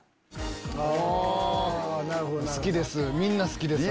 好きです